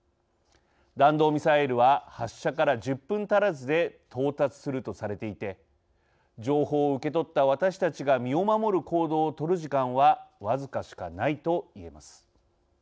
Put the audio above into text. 弾道ミサイルは発射から１０分足らずで到達するとされていて情報を受け取った私たちが身を守る行動を取る時間は僅かしかないと言えます。